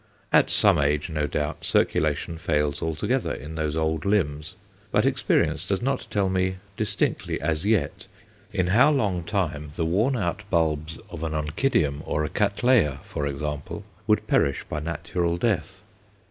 At some age, no doubt, circulation fails altogether in those old limbs, but experience does not tell me distinctly as yet in how long time the worn out bulbs of an Oncidium or a Cattleya, for example, would perish by natural death.